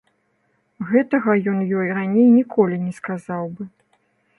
Гэтага ён ёй раней ніколі не сказаў бы.